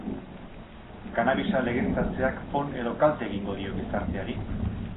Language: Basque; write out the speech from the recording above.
Kannabisa legeztatzeak on edo kalte egingo dio gizarteari?